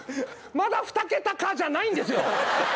「まだ２桁か」じゃないんですよ！